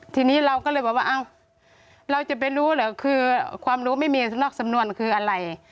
ทีนี้เราก็เลยบอกว่าเราจะไปรู้เหรอคือความรู้ไม่มีนอกสำนวนคืออะไร